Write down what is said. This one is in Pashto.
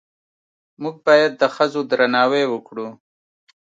موږ باید د ښځو درناوی وکړو